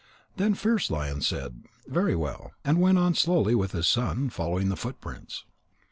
Then Fierce lion said "Very well," and went on slowly with his son, following the footprints.